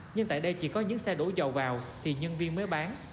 nhưng tại đây chỉ có những xe đổ dầu vào thì nhân viên mới bán